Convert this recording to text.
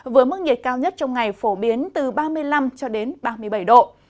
với mức nhiệt cao nhất trong ngày phổ biến từ ba mươi năm ba mươi bảy độ